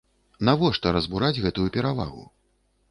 Навошта разбураць гэтую перавагу?